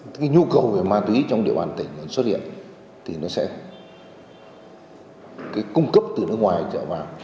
cái nhu cầu về ma túy trong địa bàn tỉnh xuất hiện thì nó sẽ cung cấp từ nước ngoài trở vào